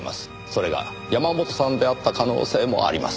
それが山本さんであった可能性もあります。